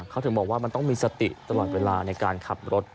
เขาถึงบอกว่ามันต้องมีสติตลอดเวลาในการขับรถ